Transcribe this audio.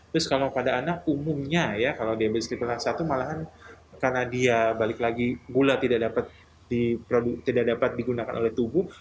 terus kalau pada anak umumnya ya kalau diambil striker yang satu malahan karena dia balik lagi gula tidak dapat digunakan oleh tubuh